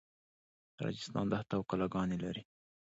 راجستان دښته او کلاګانې لري.